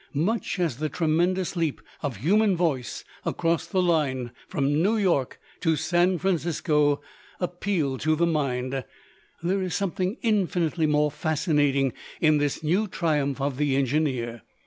Much as the tremendous leap of human voice across the line from New York to San Francisco appealed to the mind, there is something infinitely more fascinating in this new triumph of the engineer.